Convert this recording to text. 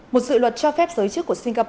một dự luật cho phép giới chức của xã hội